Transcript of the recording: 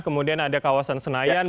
kemudian ada kawasan senayan